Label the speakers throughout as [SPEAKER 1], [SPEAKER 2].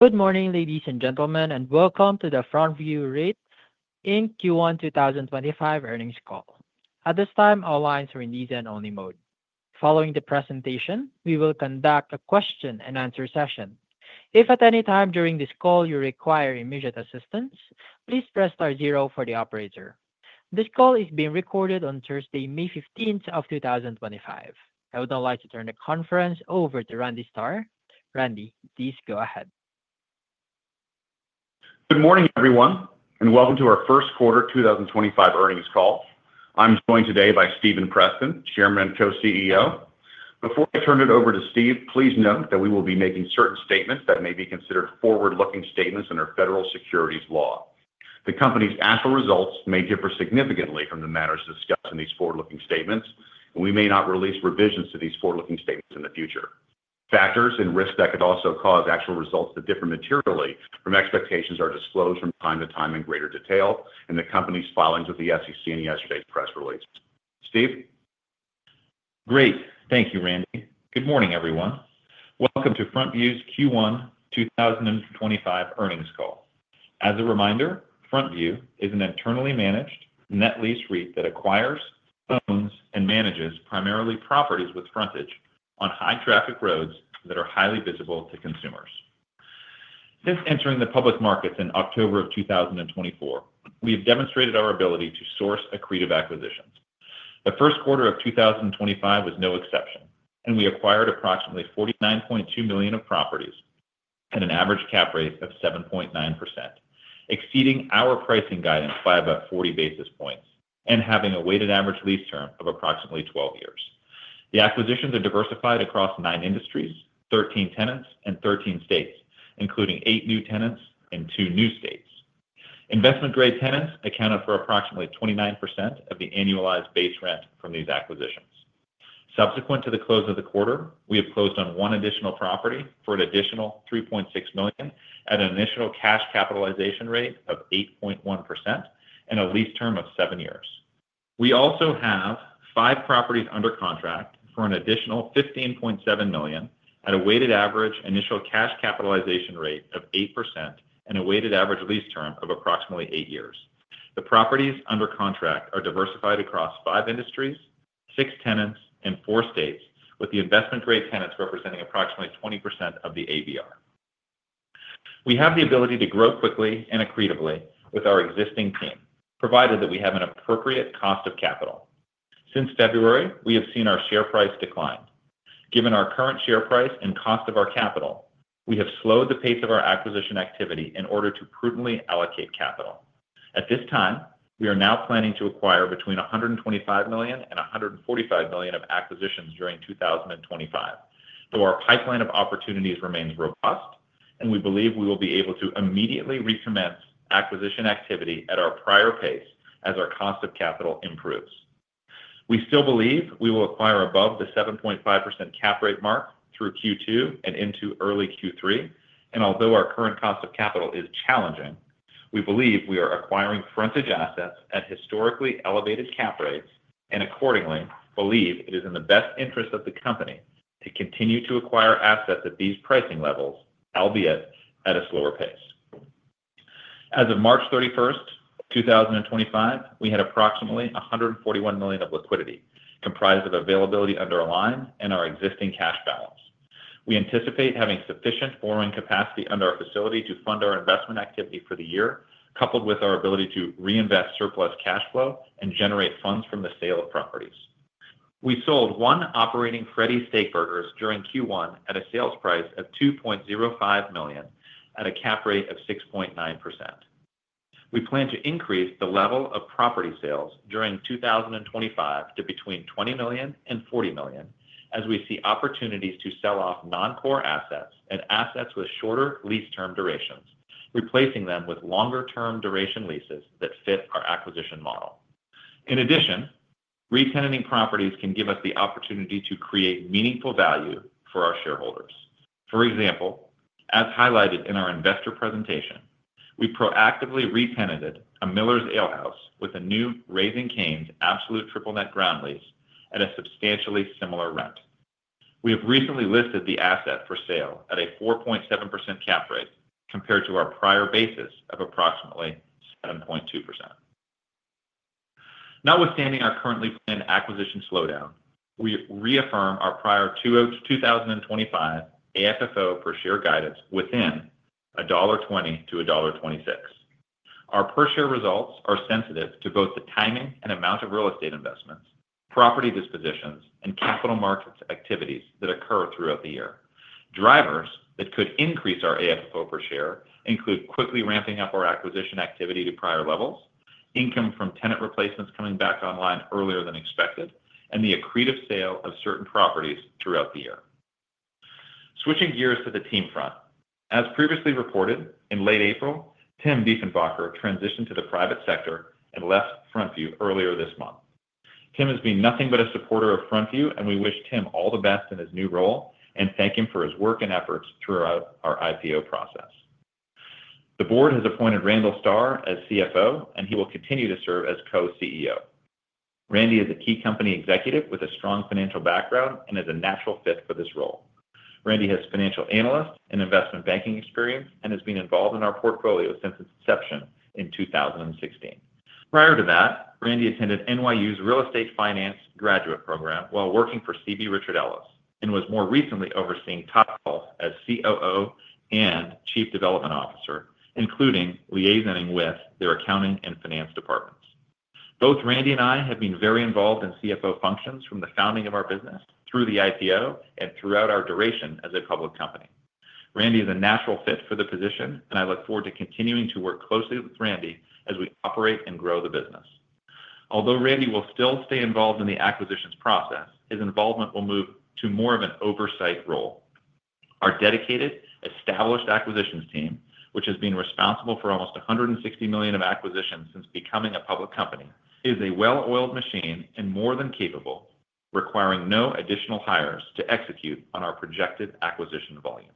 [SPEAKER 1] Good morning, ladies and gentlemen, and welcome to the FrontView REIT Q1 2025 earnings call. At this time, all lines are in listen-only mode. Following the presentation, we will conduct a question-and-answer session. If at any time during this call you require immediate assistance, please press star zero for the operator. This call is being recorded on Thursday, May 15th of 2025. I would now like to turn the conference over to Randy Starr. Randy, please go ahead.
[SPEAKER 2] Good morning, everyone, and welcome to our first quarter 2025 earnings call. I'm joined today by Stephen Preston, Chairman and Co-CEO. Before I turn it over to Steve, please note that we will be making certain statements that may be considered forward-looking statements under federal securities law. The company's actual results may differ significantly from the matters discussed in these forward-looking statements, and we may not release revisions to these forward-looking statements in the future. Factors and risks that could also cause actual results to differ materially from expectations are disclosed from time to time in greater detail in the company's filings with the SEC and yesterday's press release. Steve?
[SPEAKER 3] Great. Thank you, Randy. Good morning, everyone. Welcome to FrontView's Q1 2025 earnings call. As a reminder, FrontView is an internally managed net lease REIT that acquires, owns, and manages primarily properties with frontage on high-traffic roads that are highly visible to consumers. Since entering the public markets in October of 2024, we have demonstrated our ability to source accretive acquisitions. The first quarter of 2025 was no exception, and we acquired approximately 49.2 million properties at an average cap rate of 7.9%, exceeding our pricing guidance by about 40 basis points and having a weighted average lease term of approximately 12 years. The acquisitions are diversified across nine industries, 13 tenants, and 13 states, including eight new tenants and two new states. Investment-grade tenants accounted for approximately 29% of the annualized base rent from these acquisitions. Subsequent to the close of the quarter, we have closed on one additional property for an additional $3.6 million at an initial cash capitalization rate of 8.1% and a lease term of seven years. We also have five properties under contract for an additional $15.7 million at a weighted average initial cash capitalization rate of 8% and a weighted average lease term of approximately eight years. The properties under contract are diversified across five industries, six tenants, and four states, with the investment-grade tenants representing approximately 20% of the ABR. We have the ability to grow quickly and accretively with our existing team, provided that we have an appropriate cost of capital. Since February, we have seen our share price decline. Given our current share price and cost of our capital, we have slowed the pace of our acquisition activity in order to prudently allocate capital. At this time, we are now planning to acquire between $125 million and $145 million of acquisitions during 2025. Though our pipeline of opportunities remains robust, we believe we will be able to immediately recommence acquisition activity at our prior pace as our cost of capital improves. We still believe we will acquire above the 7.5% cap rate mark through Q2 and into early Q3, and although our current cost of capital is challenging, we believe we are acquiring frontage assets at historically elevated cap rates and accordingly believe it is in the best interest of the company to continue to acquire assets at these pricing levels, albeit at a slower pace. As of March 31, 2025, we had approximately $141 million of liquidity comprised of availability under a line and our existing cash balance. We anticipate having sufficient borrowing capacity under our facility to fund our investment activity for the year, coupled with our ability to reinvest surplus cash flow and generate funds from the sale of properties. We sold one operating Freddy's Frozen Custard & Steakburgers during Q1 at a sales price of $2.05 million at a cap rate of 6.9%. We plan to increase the level of property sales during 2025 to between $20 million and $40 million as we see opportunities to sell off non-core assets and assets with shorter lease term durations, replacing them with longer-term duration leases that fit our acquisition model. In addition, re-tenanting properties can give us the opportunity to create meaningful value for our shareholders. For example, as highlighted in our investor presentation, we proactively re-tenanted a Miller's Ale House with a new Raising Cane's Absolute Triple Net Ground Lease at a substantially similar rent. We have recently listed the asset for sale at a 4.7% cap rate compared to our prior basis of approximately 7.2%. Notwithstanding our currently planned acquisition slowdown, we reaffirm our prior 2025 AFFO per share guidance within $1.20-$1.26. Our per share results are sensitive to both the timing and amount of real estate investments, property dispositions, and capital markets activities that occur throughout the year. Drivers that could increase our AFFO per share include quickly ramping up our acquisition activity to prior levels, income from tenant replacements coming back online earlier than expected, and the accretive sale of certain properties throughout the year. Switching gears to the team front. As previously reported, in late April, Tim Dieffenbacher transitioned to the private sector and left FrontView earlier this month. Tim has been nothing but a supporter of FrontView, and we wish Tim all the best in his new role and thank him for his work and efforts throughout our IPO process. The board has appointed Randall Starr as CFO, and he will continue to serve as Co-CEO. Randy is a key company executive with a strong financial background and is a natural fit for this role. Randy has financial analyst and investment banking experience and has been involved in our portfolio since its inception in 2016. Prior to that, Randy attended New York University's Real Estate Finance Graduate Program while working for C.B. Richard Ellis and was more recently overseeing Topgolf as COO and Chief Development Officer, including liaisoning with their accounting and finance departments. Both Randy and I have been very involved in CFO functions from the founding of our business through the IPO and throughout our duration as a public company. Randy is a natural fit for the position, and I look forward to continuing to work closely with Randy as we operate and grow the business. Although Randy will still stay involved in the acquisitions process, his involvement will move to more of an oversight role. Our dedicated, established acquisitions team, which has been responsible for almost $160 million of acquisitions since becoming a public company, is a well-oiled machine and more than capable, requiring no additional hires to execute on our projected acquisition volume.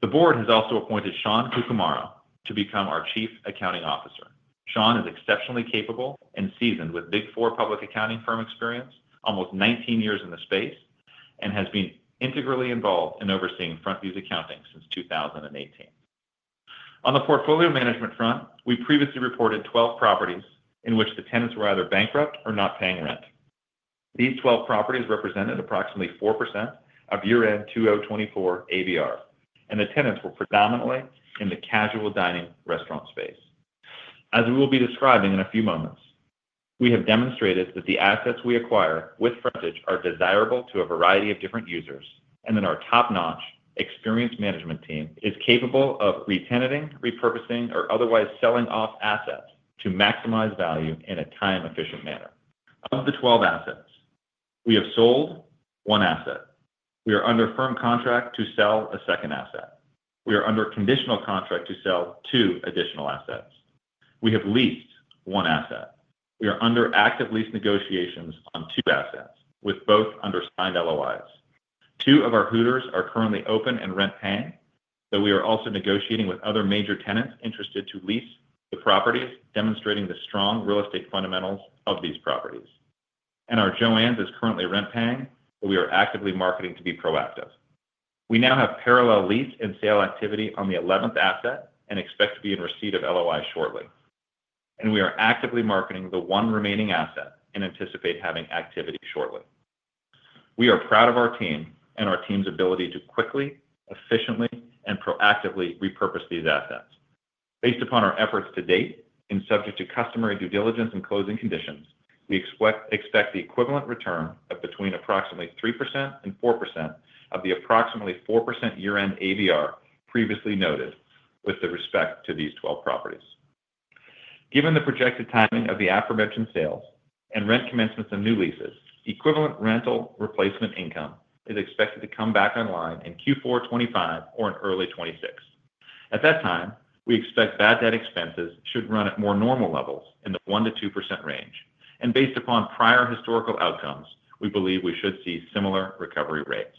[SPEAKER 3] The board has also appointed Sean Kumar to become our Chief Accounting Officer. Sean is exceptionally capable and seasoned with Big Four public accounting firm experience, almost 19 years in the space, and has been integrally involved in overseeing FrontView's accounting since 2018. On the portfolio management front, we previously reported 12 properties in which the tenants were either bankrupt or not paying rent. These 12 properties represented approximately 4% of year-end 2024 ABR, and the tenants were predominantly in the casual dining restaurant space. As we will be describing in a few moments, we have demonstrated that the assets we acquire with frontage are desirable to a variety of different users and that our top-notch experienced management team is capable of re-tenanting, repurposing, or otherwise selling off assets to maximize value in a time-efficient manner. Of the 12 assets, we have sold one asset. We are under firm contract to sell a second asset. We are under conditional contract to sell two additional assets. We have leased one asset. We are under active lease negotiations on two assets with both under signed LOIs. Two of our Hooters are currently open and rent-paying, though we are also negotiating with other major tenants interested to lease the properties, demonstrating the strong real estate fundamentals of these properties. Our Joann is currently rent-paying, but we are actively marketing to be proactive. We now have parallel lease and sale activity on the 11th asset and expect to be in receipt of LOIs shortly. We are actively marketing the one remaining asset and anticipate having activity shortly. We are proud of our team and our team's ability to quickly, efficiently, and proactively repurpose these assets. Based upon our efforts to date and subject to customary due diligence and closing conditions, we expect the equivalent return of between approximately 3% and 4% of the approximately 4% year-end ABR previously noted with respect to these 12 properties. Given the projected timing of the aforementioned sales and rent commencements of new leases, equivalent rental replacement income is expected to come back online in Q4 2025 or in early 2026. At that time, we expect bad debt expenses should run at more normal levels in the 1%-2% range. Based upon prior historical outcomes, we believe we should see similar recovery rates.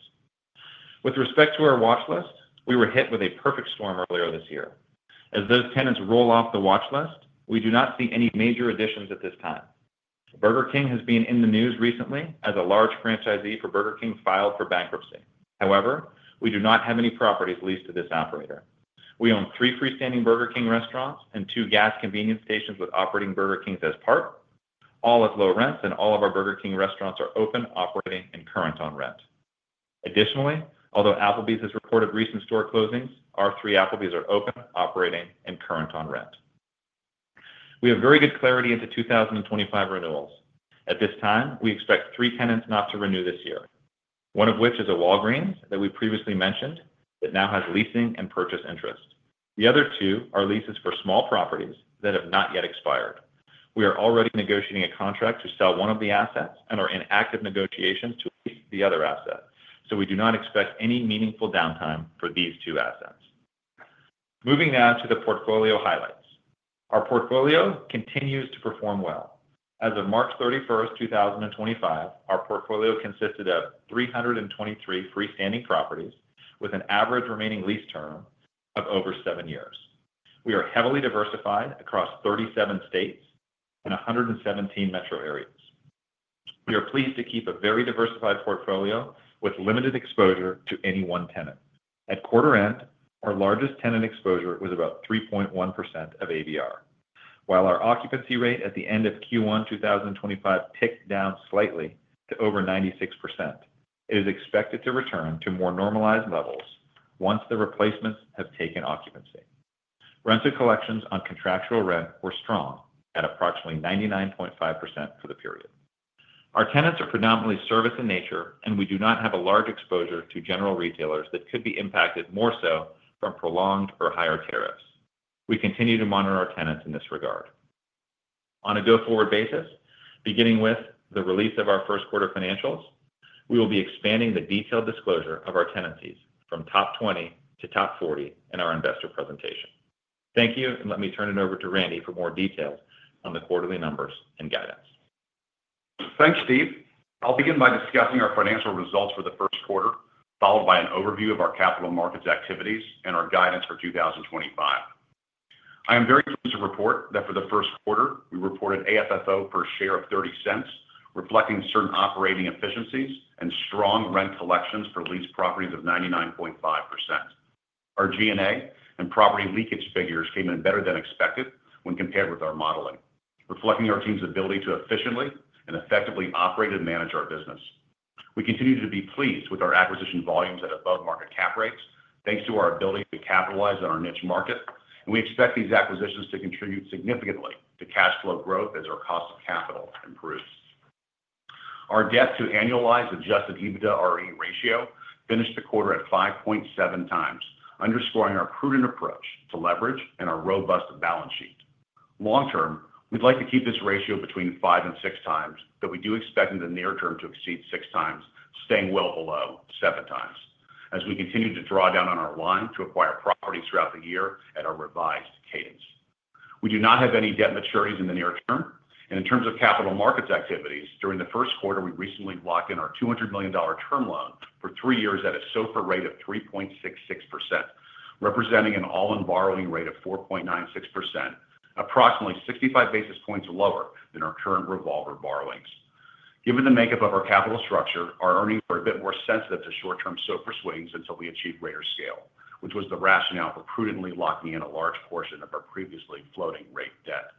[SPEAKER 3] With respect to our watch list, we were hit with a perfect storm earlier this year. As those tenants roll off the watch list, we do not see any major additions at this time. Burger King has been in the news recently as a large franchisee for Burger King filed for bankruptcy. However, we do not have any properties leased to this operator. We own three freestanding Burger King restaurants and two gas convenience stations with operating Burger Kings as part, all at low rents, and all of our Burger King restaurants are open, operating, and current on rent. Additionally, although Applebee's has reported recent store closings, our three Applebee's are open, operating, and current on rent. We have very good clarity into 2025 renewals. At this time, we expect three tenants not to renew this year, one of which is a Walgreens that we previously mentioned that now has leasing and purchase interest. The other two are leases for small properties that have not yet expired. We are already negotiating a contract to sell one of the assets and are in active negotiations to lease the other asset. We do not expect any meaningful downtime for these two assets. Moving now to the portfolio highlights. Our portfolio continues to perform well. As of March 31, 2025, our portfolio consisted of 323 freestanding properties with an average remaining lease term of over seven years. We are heavily diversified across 37 states and 117 metro areas. We are pleased to keep a very diversified portfolio with limited exposure to any one tenant. At quarter end, our largest tenant exposure was about 3.1% of ABR, while our occupancy rate at the end of Q1 2025 ticked down slightly to over 96%. It is expected to return to more normalized levels once the replacements have taken occupancy. Rental collections on contractual rent were strong at approximately 99.5% for the period. Our tenants are predominantly service in nature, and we do not have a large exposure to general retailers that could be impacted more so from prolonged or higher tariffs. We continue to monitor our tenants in this regard. On a go-forward basis, beginning with the release of our first quarter financials, we will be expanding the detailed disclosure of our tenancies from top 20 to top 40 in our investor presentation. Thank you, and let me turn it over to Randy for more details on the quarterly numbers and guidance.
[SPEAKER 2] Thanks, Steve. I'll begin by discussing our financial results for the first quarter, followed by an overview of our capital markets activities and our guidance for 2025. I am very pleased to report that for the first quarter, we reported AFFO per share of $0.30, reflecting certain operating efficiencies and strong rent collections for leased properties of 99.5%. Our G&A and property leakage figures came in better than expected when compared with our modeling, reflecting our team's ability to efficiently and effectively operate and manage our business. We continue to be pleased with our acquisition volumes at above-market cap rates, thanks to our ability to capitalize on our niche market, and we expect these acquisitions to contribute significantly to cash flow growth as our cost of capital improves. Our debt to annualized Adjusted EBITDA-RE ratio finished the quarter at 5.7x, underscoring our prudent approach to leverage and our robust balance sheet. Long term, we'd like to keep this ratio between 5x and 6x, but we do expect in the near term to exceed 6x, staying well below 7x as we continue to draw down on our line to acquire properties throughout the year at a revised cadence. We do not have any debt maturities in the near term, and in terms of capital markets activities, during the first quarter, we recently locked in our $200 million term loan for three years at a SOFR rate of 3.66%, representing an all-in borrowing rate of 4.96%, approximately 65 basis points lower than our current revolver borrowings. Given the makeup of our capital structure, our earnings are a bit more sensitive to short-term SOFR swings until we achieve greater scale, which was the rationale for prudently locking in a large portion of our previously floating rate debt.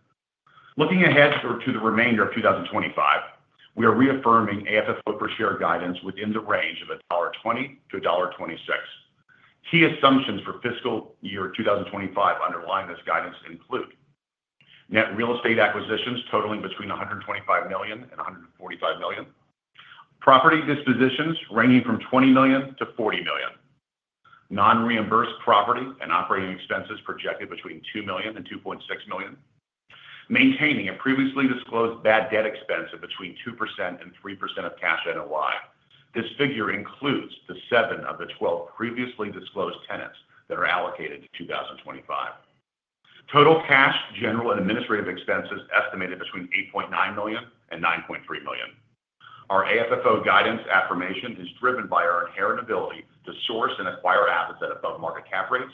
[SPEAKER 2] Looking ahead to the remainder of 2025, we are reaffirming AFFO per share guidance within the range of $1.20-$1.26. Key assumptions for fiscal year 2025 underlying this guidance include net real estate acquisitions totaling between $125 million and $145 million, property dispositions ranging from $20 million-$40 million, non-reimbursed property and operating expenses projected between $2 million-$2.6 million, maintaining a previously disclosed bad debt expense of between 2%-3% of cash NOI. This figure includes the seven of the 12 previously disclosed tenants that are allocated to 2025. Total cash general and administrative expenses estimated between $8.9 million-$9.3 million. Our AFFO guidance affirmation is driven by our inherent ability to source and acquire assets at above-market cap rates,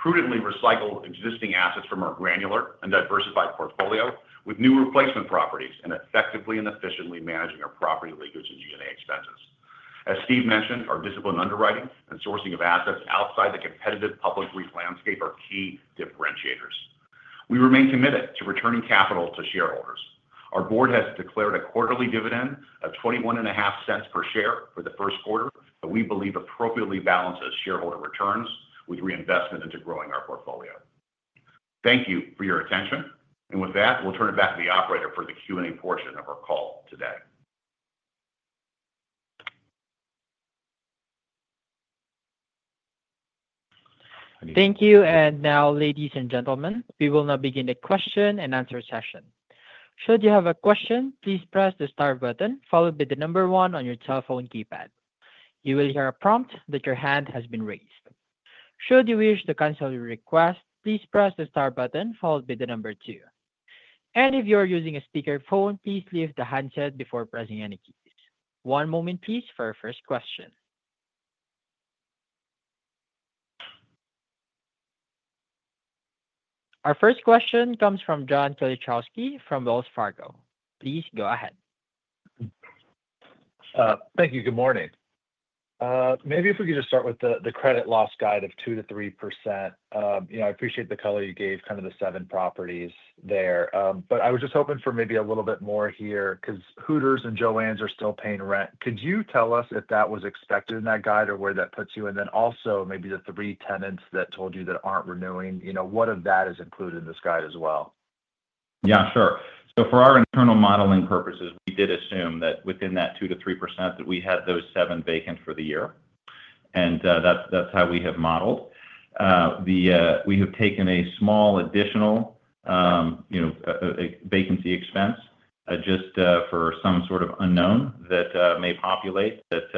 [SPEAKER 2] prudently recycle existing assets from our granular and diversified portfolio with new replacement properties, and effectively and efficiently managing our property leakage and G&A expenses. As Steve mentioned, our discipline underwriting and sourcing of assets outside the competitive public REIT landscape are key differentiators. We remain committed to returning capital to shareholders. Our board has declared a quarterly dividend of $0.215 per share for the first quarter, which we believe appropriately balances shareholder returns with reinvestment into growing our portfolio. Thank you for your attention. With that, we'll turn it back to the operator for the Q&A portion of our call today.
[SPEAKER 1] Thank you. Now, ladies and gentlemen, we will now begin the question and answer session. Should you have a question, please press the star button followed by the number one on your telephone keypad. You will hear a prompt that your hand has been raised. Should you wish to cancel your request, please press the star button followed by the number two. If you are using a speakerphone, please leave the handset before pressing any keys. One moment, please, for our first question. Our first question comes from John Kilichowski from Wells Fargo. Please go ahead.
[SPEAKER 4] Thank you. Good morning. Maybe if we could just start with the credit loss guide of 2%-3%. I appreciate the color you gave, kind of the seven properties there. I was just hoping for maybe a little bit more here because Hooters and Joann are still paying rent. Could you tell us if that was expected in that guide or where that puts you? And then also maybe the three tenants that told you that are not renewing, what of that is included in this guide as well?
[SPEAKER 3] Yeah, sure. For our internal modeling purposes, we did assume that within that 2%-3% that we had those seven vacant for the year. That is how we have modeled. We have taken a small additional vacancy expense just for some sort of unknown that may populate that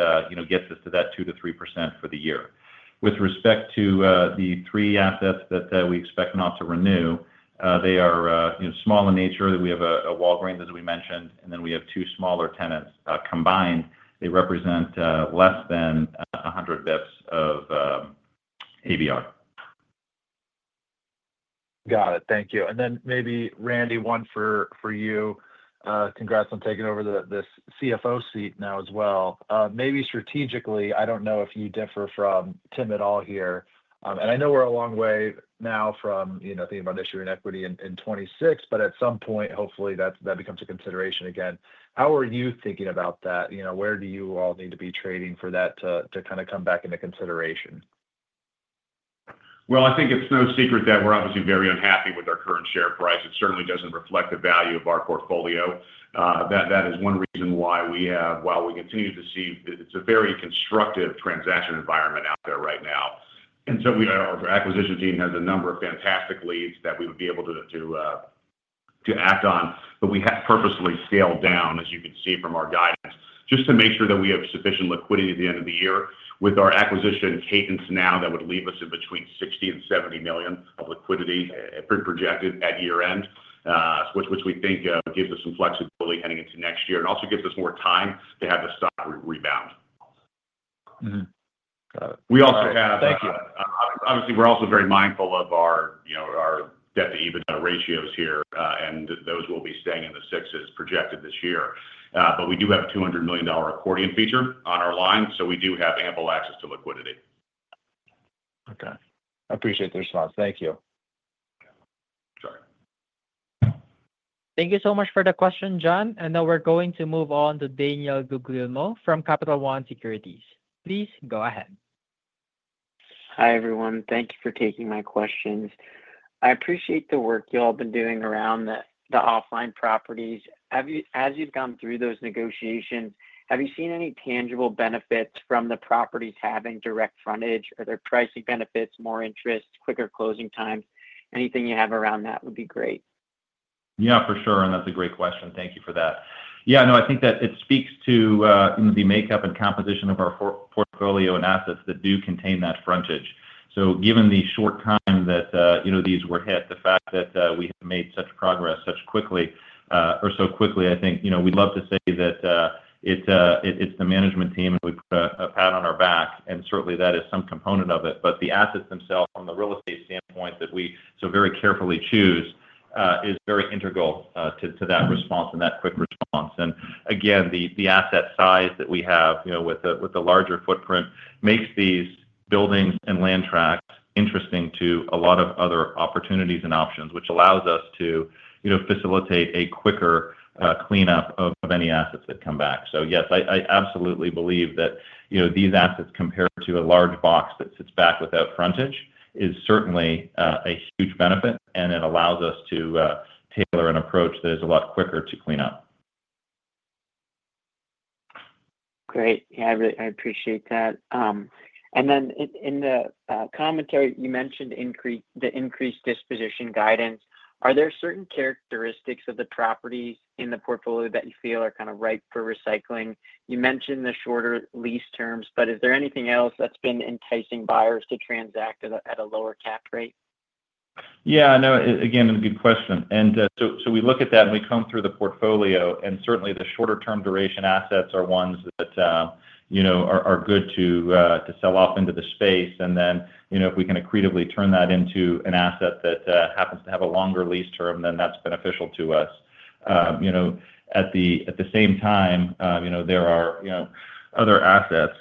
[SPEAKER 3] gets us to that 2%-3% for the year. With respect to the three assets that we expect not to renew, they are small in nature. We have a Walgreens, as we mentioned, and then we have two smaller tenants. Combined, they represent less than 100 basis points of ABR.
[SPEAKER 4] Got it. Thank you. And then maybe, Randy, one for you. Congrats on taking over this CFO seat now as well. Maybe strategically, I do not know if you differ from Tim at all here. I know we are a long way now from thinking about issue inequity in 2026, but at some point, hopefully, that becomes a consideration again. How are you thinking about that? Where do you all need to be trading for that to kind of come back into consideration?
[SPEAKER 2] I think it is no secret that we are obviously very unhappy with our current share price. It certainly does not reflect the value of our portfolio. That is one reason why we have, while we continue to see, it is a very constructive transaction environment out there right now. Our acquisition team has a number of fantastic leads that we would be able to act on, but we have purposely scaled down, as you can see from our guidance, just to make sure that we have sufficient liquidity at the end of the year with our acquisition cadence. Now that would leave us in between $60 million and $70 million of liquidity projected at year-end, which we think gives us some flexibility heading into next year and also gives us more time to have the stock rebound.
[SPEAKER 4] Got it. Thank you.
[SPEAKER 2] Obviously, we're also very mindful of our debt to EBITDA ratios here, and those will be staying in the sixes projected this year. We do have a $200 million accordion feature on our line, so we do have ample access to liquidity.
[SPEAKER 4] Okay. I appreciate the response. Thank you.
[SPEAKER 2] Sorry.
[SPEAKER 1] Thank you so much for the question, John. Now we're going to move on to Daniel Guglielmo from Capital One Securities. Please go ahead.
[SPEAKER 5] Hi, everyone. Thank you for taking my questions. I appreciate the work you all have been doing around the offline properties. As you've gone through those negotiations, have you seen any tangible benefits from the properties having direct frontage? Are there pricing benefits, more interest, quicker closing times? Anything you have around that would be great.
[SPEAKER 3] Yeah, for sure. That's a great question. Thank you for that. I think that it speaks to the makeup and composition of our portfolio and assets that do contain that frontage. Given the short time that these were hit, the fact that we have made such progress so quickly, I think we'd love to say that it's the management team and we put a pat on our back. Certainly, that is some component of it. The assets themselves, from the real estate standpoint that we so very carefully choose, are very integral to that response and that quick response. Again, the asset size that we have with the larger footprint makes these buildings and land tracts interesting to a lot of other opportunities and options, which allows us to facilitate a quicker cleanup of any assets that come back. Yes, I absolutely believe that these assets compared to a large box that sits back without frontage is certainly a huge benefit, and it allows us to tailor an approach that is a lot quicker to clean up.
[SPEAKER 5] Great. Yeah, I appreciate that. In the commentary, you mentioned the increased disposition guidance. Are there certain characteristics of the properties in the portfolio that you feel are kind of ripe for recycling? You mentioned the shorter lease terms, but is there anything else that's been enticing buyers to transact at a lower cap rate?
[SPEAKER 3] No, again, a good question. We look at that and we comb through the portfolio, and certainly, the shorter-term duration assets are ones that are good to sell off into the space. If we can accretively turn that into an asset that happens to have a longer lease term, then that's beneficial to us. At the same time, there are other assets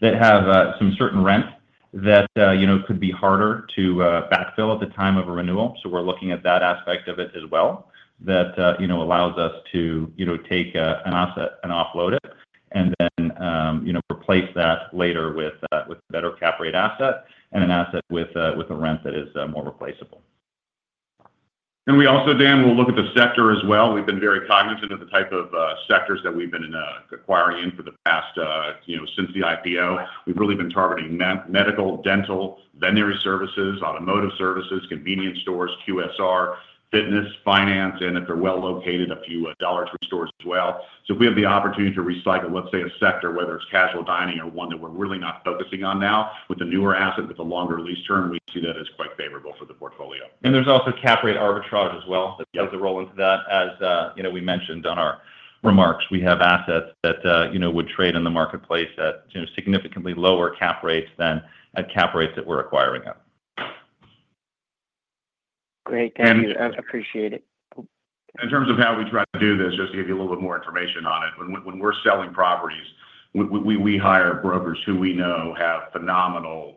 [SPEAKER 3] that have some certain rent that could be harder to backfill at the time of a renewal. We are looking at that aspect of it as well, which allows us to take an asset and offload it and then replace that later with a better cap rate asset and an asset with a rent that is more replaceable.
[SPEAKER 2] We also, Dan, will look at the sector as well. We have been very cognizant of the type of sectors that we have been acquiring in for the past since the IPO. We've really been targeting medical, dental, veterinary services, automotive services, convenience stores, QSR, fitness, finance, and if they're well located, a few dollars from stores as well. If we have the opportunity to recycle, let's say, a sector, whether it's casual dining or one that we're really not focusing on now, with a newer asset with a longer lease term, we see that as quite favorable for the portfolio.
[SPEAKER 3] There is also cap rate arbitrage as well that plays a role into that. As we mentioned on our remarks, we have assets that would trade in the marketplace at significantly lower cap rates than at cap rates that we're acquiring at.
[SPEAKER 5] Great. Thank you. I appreciate it.
[SPEAKER 2] In terms of how we try to do this, just to give you a little bit more information on it, when we're selling properties, we hire brokers who we know have phenomenal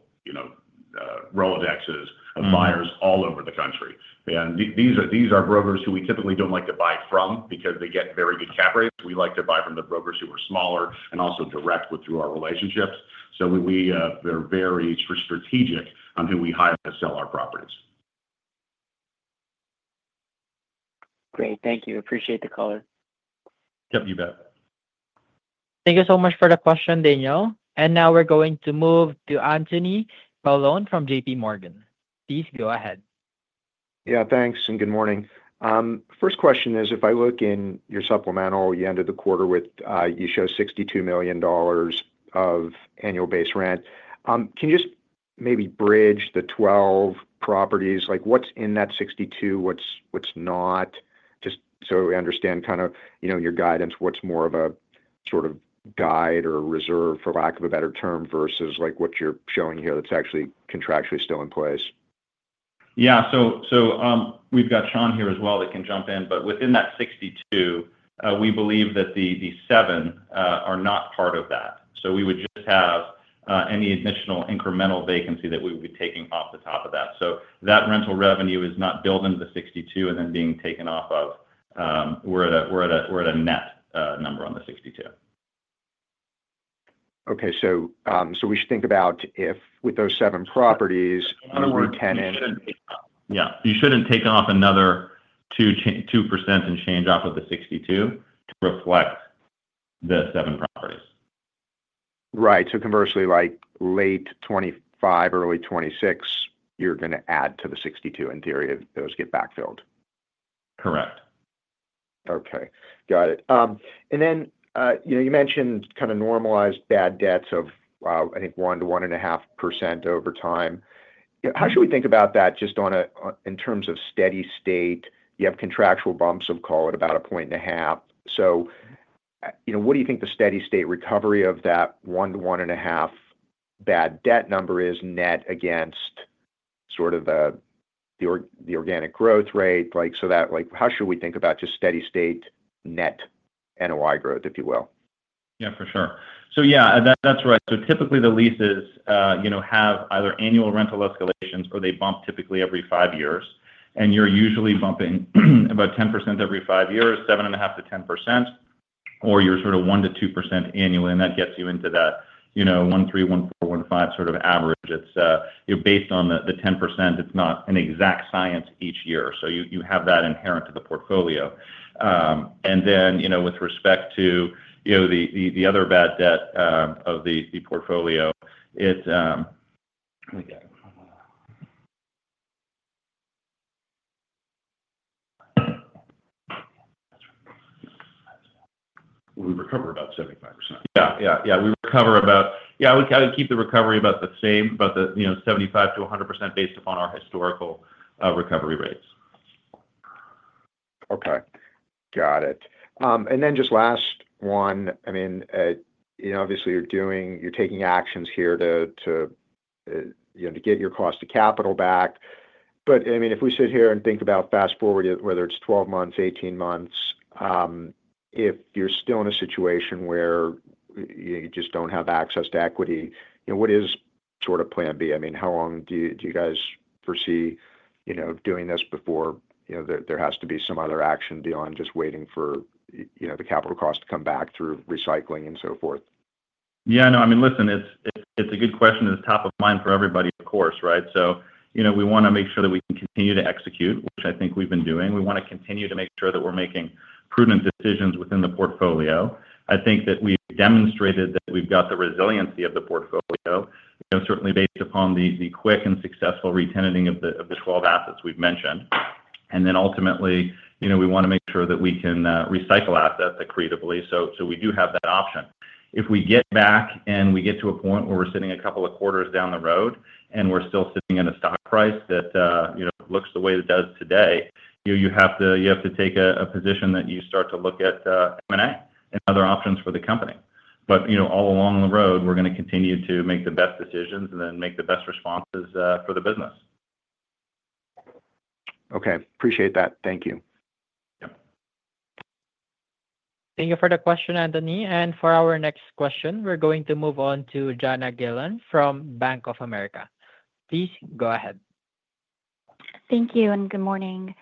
[SPEAKER 2] Rolodexes of buyers all over the country. These are brokers who we typically do not like to buy from because they get very good cap rates. We like to buy from the brokers who are smaller and also direct through our relationships. We are very strategic on who we hire to sell our properties.
[SPEAKER 5] Great. Thank you. Appreciate the color.
[SPEAKER 2] Yep, you bet.
[SPEAKER 1] Thank you so much for the question, Daniel. Now we're going to move to [Anthony Colon] from JPMorgan. Please go ahead. Yeah, thanks. Good morning. First question is, if I look in your supplemental or you ended the quarter with you show $62 million of annual base rent, can you just maybe bridge the 12 properties? What's in that $62 million? What's not? Just so we understand kind of your guidance, what's more of a sort of guide or reserve, for lack of a better term, versus what you're showing here that's actually contractually still in place?
[SPEAKER 3] Yeah. So we've got Sean here as well that can jump in. But within that $62 million, we believe that the seven are not part of that. So we would just have any additional incremental vacancy that we would be taking off the top of that. So that rental revenue is not built into the $62 million and then being taken off of. We're at a net number on the $62 million. Okay. We should think about if with those seven properties, new tenants— yeah, you should not take off another 2% and change off of the $62 million to reflect the seven properties. Right. Conversely, late 2025, early 2026, you are going to add to the $62 million in theory if those get backfilled. Correct. Okay. Got it. You mentioned kind of normalized bad debts of, I think, 1%-1.5% over time. How should we think about that just in terms of steady state? You have contractual bumps of, call it, about a point and a half. What do you think the steady state recovery of that 1%-1.5% bad debt number is net against sort of the organic growth rate? How should we think about just steady state net NOI growth, if you will? Yeah, for sure. Yeah, that is right. Typically, the leases have either annual rental escalations or they bump every five years. You're usually bumping about 10% every five years, 7.5%-10%, or you're at 1%-2% annually. That gets you into that 1.3x, 1.4x, 1.5x sort of average. It's based on the 10%. It's not an exact science each year. You have that inherent to the portfolio. With respect to the other bad debt of the portfolio, we recover about 75%. We keep the recovery about the same, about 75%-100% based upon our historical recovery rates. Okay. Got it. Just last one. I mean, obviously, you're taking actions here to get your cost of capital back. I mean, if we sit here and think about fast forward, whether it is 12 months, 18 months, if you are still in a situation where you just do not have access to equity, what is sort of plan B? I mean, how long do you guys foresee doing this before there has to be some other action beyond just waiting for the capital cost to come back through recycling and so forth? Yeah. No. I mean, listen, it is a good question that is top of mind for everybody, of course, right? We want to make sure that we can continue to execute, which I think we have been doing. We want to continue to make sure that we are making prudent decisions within the portfolio. I think that we have demonstrated that we have got the resiliency of the portfolio, certainly based upon the quick and successful retention of the 12 assets we have mentioned. Ultimately, we want to make sure that we can recycle assets accretively. We do have that option. If we get back and we get to a point where we're sitting a couple of quarters down the road and we're still sitting at a stock price that looks the way it does today, you have to take a position that you start to look at M&A and other options for the company. All along the road, we're going to continue to make the best decisions and then make the best responses for the business. Okay. Appreciate that. Thank you.
[SPEAKER 1] Thank you for the question, Anthony. For our next question, we're going to move on to [Janna Gillen] from Bank of America. Please go ahead. Thank you. Good morning.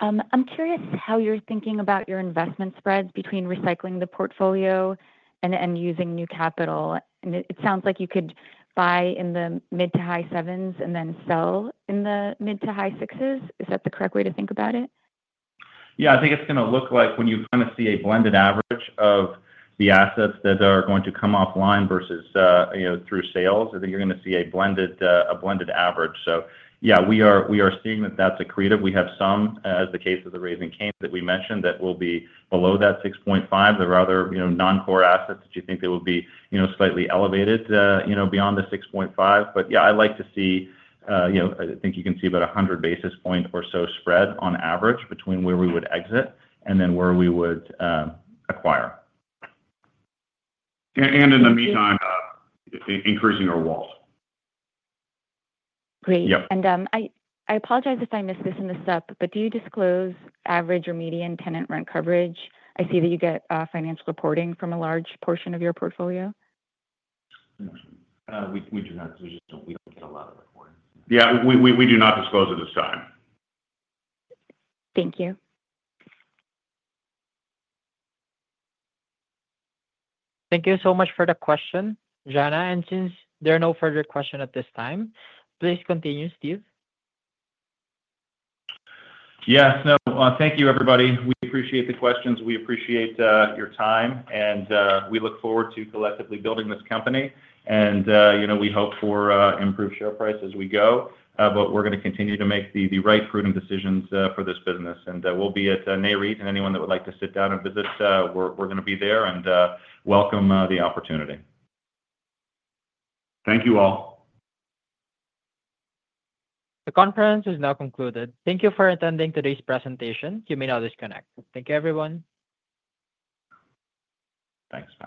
[SPEAKER 1] I'm curious how you're thinking about your investment spreads between recycling the portfolio and using new capital. It sounds like you could buy in the mid to high sevens and then sell in the mid to high sixes. Is that the correct way to think about it?
[SPEAKER 3] Yeah. I think it's going to look like when you kind of see a blended average of the assets that are going to come offline versus through sales, I think you're going to see a blended average. Yeah, we are seeing that that's accretive. We have some, as the case of the Raising Cane's that we mentioned, that will be below that 6.5x. There are other non-core assets that you think that would be slightly elevated beyond the 6.5x. Yeah, I like to see—I think you can see about 100 basis points or so spread on average between where we would exit and then where we would acquire. In the meantime, increasing our walls. Great. I apologize if I missed this in the step, but do you disclose average or median tenant rent coverage? I see that you get financial reporting from a large portion of your portfolio. We do not. We do not get a lot of reporting.
[SPEAKER 2] Yeah. We do not disclose at this time. Thank you.
[SPEAKER 1] Thank you so much for the question, [Janna]. Since there are no further questions at this time, please continue, Steve.
[SPEAKER 3] Yes. No. Thank you, everybody. We appreciate the questions. We appreciate your time. We look forward to collectively building this company. We hope for improved share price as we go. We're going to continue to make the right prudent decisions for this business. We'll be at NAREIT. Anyone that would like to sit down and visit, we're going to be there and welcome the opportunity.
[SPEAKER 2] Thank you all.
[SPEAKER 1] The conference is now concluded. Thank you for attending today's presentation. You may now disconnect. Thank you, everyone.
[SPEAKER 3] Thanks. Bye.